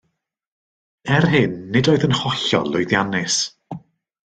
Er hyn, nid oedd yn hollol lwyddiannus